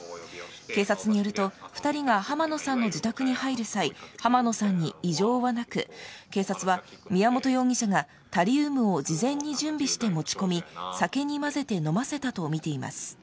警察によると２人が濱野さんの自宅に入る際濱野さんに異常はなく警察は宮本容疑者がタリウムを事前に準備して持ち込み酒に混ぜて飲ませたとみています。